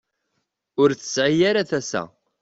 Ur tesɛi ara tasa.